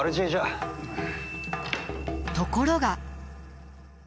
ところが。